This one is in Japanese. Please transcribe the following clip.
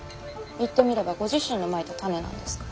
言ってみればご自身のまいた種なんですから。